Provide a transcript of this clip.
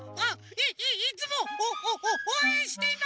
いいいつもおおおおうえんしています。